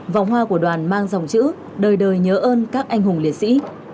vòng hoa của đoàn mang dòng chữ đời đời nhớ ơn các anh hùng liệt sĩ